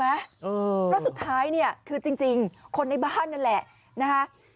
เพราะสุดท้ายคือจริงคนนี้บ้านนั่นแหละ